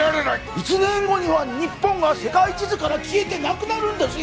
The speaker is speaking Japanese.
１年後には日本が世界地図から消えてなくなるんですよ！